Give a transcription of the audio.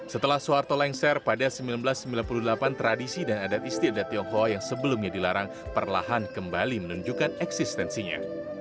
setelah soeharto lengser pada seribu sembilan ratus sembilan puluh delapan tradisi dan adat istiadat tionghoa yang sebelumnya dilarang perlahan kembali menunjukkan eksistensinya